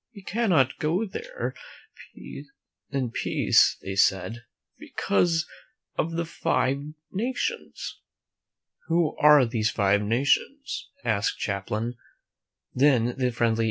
"We cannot go there in peace," they said, "because of the Five Nations." "Who are these Five Nations?" asked Champlain. Then the friendly (0^ ; V ^,<\>^